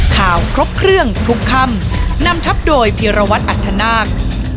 ข่าวครบเครื่องทุกคำนำทับโดยพิระวัติอัตธนาค